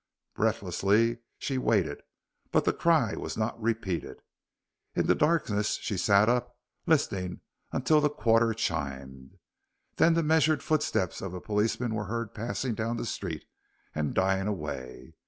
Breathlessly she waited, but the cry was not repeated. In the darkness she sat up listening until the quarter chimed. Then the measured footsteps of a policeman were heard passing down the street and dying away.